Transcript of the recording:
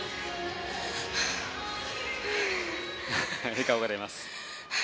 笑顔が出ます。